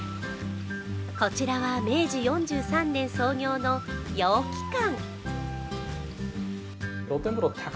こちらは明治４３年創業の陽気館。